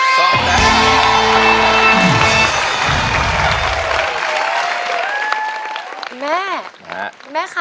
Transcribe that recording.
คุณแม่คุณแม่ค่ะ